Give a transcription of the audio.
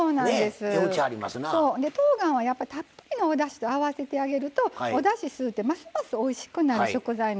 とうがんはやっぱりたっぷりのおだしと合わせてあげるとおだし吸うてますますおいしくなる食材なんです。